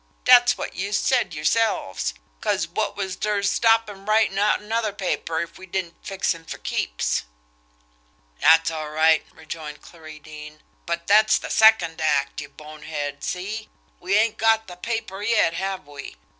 Dat's wot youse said yerselves, 'cause wot was ter stop him writin' out another paper if we didn't fix him fer keeps?" "That's all right," rejoined Clarie Deane; "but that's the second act, you bonehead, see! We ain't got the paper yet, have we?